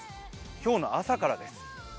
今日の朝からです。